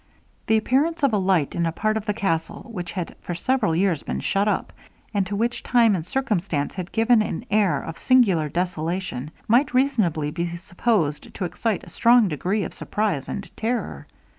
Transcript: The appearance of a light in a part of the castle which had for several years been shut up, and to which time and circumstance had given an air of singular desolation, might reasonably be supposed to excite a strong degree of surprise and terror.